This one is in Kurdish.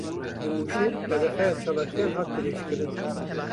Li Mûşê qedexeya çalakiyan hat dirêjkirin.